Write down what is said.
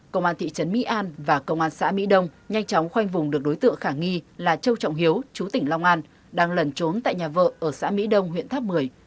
công an thị trấn mỹ an và công an xã mỹ đông nhanh chóng khoanh vùng được đối tượng khả nghi là châu trọng hiếu chú tỉnh long an đang lần trốn tại nhà vợ ở xã mỹ đông huyện tháp một mươi